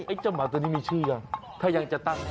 เจ้าหมาตัวนี้มีชื่อยังถ้ายังจะตั้ง